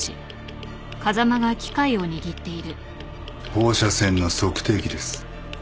放射線の測定器です。